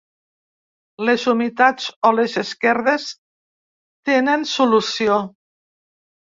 Les humitats o les esquerdes tenen solució.